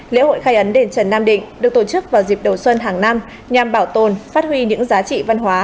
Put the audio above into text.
lễ hội khai ấn đền trần nam định được tổ chức vào dịp đầu xuân hàng năm nhằm bảo tồn phát huy những giá trị văn hóa